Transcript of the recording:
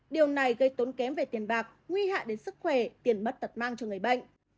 điều này gây tốn kém về tiền bạc nguy hại đến sức khỏe tiền mất tật mang cho người bệnh